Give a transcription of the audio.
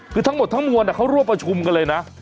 คือทั้งหมดทั้งมวลเขาร่วมประชุมกันเลยนะ